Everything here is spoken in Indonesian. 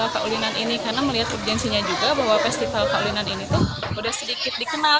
karena melihat kebijaksanaannya juga bahwa festival kaulinan ini tuh udah sedikit dikenal